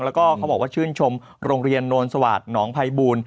แล้วก็เขาบอกว่าชื่นชมโรงเรียนโนนสวาสหนองภัยบูล